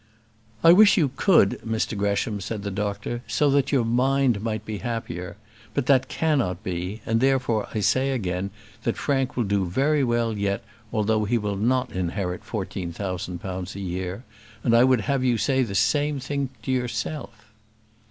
"I would you could, Mr Gresham," said the doctor, "so that your mind might be happier; but that cannot be, and, therefore, I say again, that Frank will do very well yet, although he will not inherit fourteen thousand pounds a year; and I would have you say the same thing to yourself."